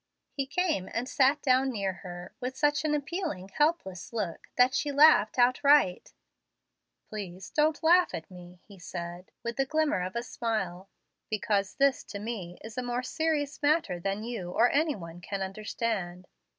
He came and sat down near her, with such an appealing, helpless look that she laughed outright. "Please don't laugh at me," he said, with the glimmer of a smile, "because this to me is a more serious matter than you or any one can understand."